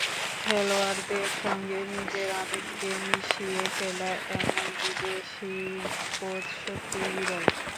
খেলোয়াড়দের সঙ্গে নিজের আবেগকে মিশিয়ে ফেলা এমন বিদেশি কোচ সত্যিই বিরল।